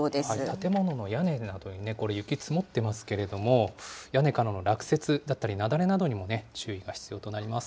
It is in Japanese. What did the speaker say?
建物の屋根などにね、これ、雪積もってますけれども、屋根からの落雪だったり雪崩などにもね、注意が必要となります。